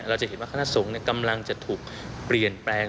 เราจะเห็นว่าคณะสงฆ์กำลังจะถูกเปลี่ยนแปลง